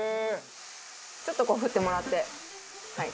ちょっとこう振ってもらって。